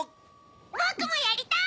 ぼくもやりたい！